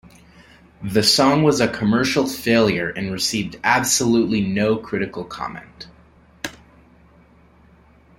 The song was a commercial failure and received absolutely no critical comment.